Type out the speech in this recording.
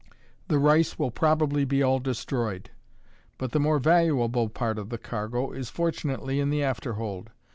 The rice will probably be all destroyed: but the more valuable part of the cargo is fortunately in the afterhold.